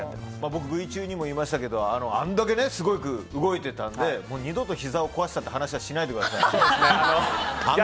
僕、Ｖ中にも言いましたけどあれだけ、すごく動いていたので二度とひざを壊したという話はしないでください。